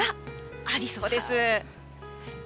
ありそうです。